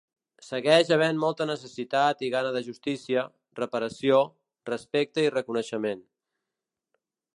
Segueix havent molta necessitat i gana de justícia, reparació, respecte i reconeixement.